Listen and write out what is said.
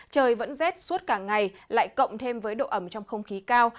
trời vẫn rét suốt cả ngày lại cộng thêm với độ ẩm trong không khí cao